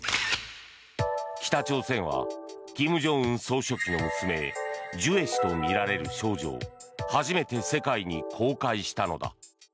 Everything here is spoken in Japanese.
北朝鮮は金正恩総書記の娘ジュエ氏とみられる少女を初めて世界に公開したのだ。